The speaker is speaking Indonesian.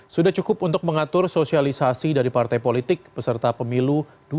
sudah cukup untuk mengatur sosialisasi dari partai politik peserta pemilu dua ribu sembilan belas